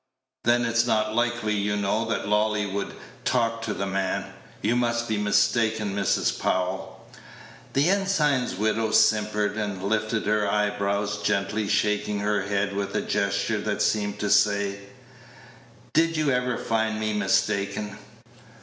"Then it's not likely, you know, that Lolly would talk to the man. You must be mistaken, Mrs. Powell." The ensign's widow simpered, and lifted her eyebrows, gently shaking her head with a gesture that seemed to say, "Did you ever find me mistaken?"